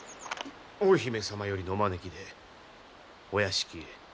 大姫様よりのお招きでお屋敷へ。